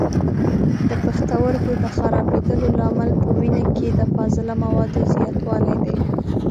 د پښتورګو د خرابېدلو لامل په وینه کې د فاضله موادو زیاتولی دی.